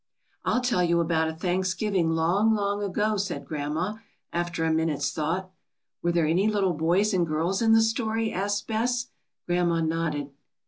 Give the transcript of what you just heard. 'T'll tell you about a Thanksgiving long, long ago," said grandma, after a minute's thought. ^^Were there any little boys and girls in the story?" asked Bess. Grandma nodded.